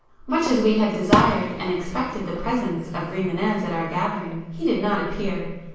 Much as we had desired and expected the presence of Rimânez at our gathering, he did not appear.